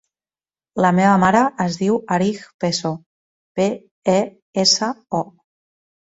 La meva mare es diu Arij Peso: pe, e, essa, o.